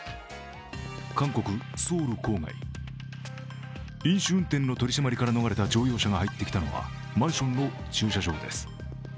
韓国・ソウル郊外、飲酒運転の取り締まりから逃れた乗用車が入ってきたのはマンションの駐車場です。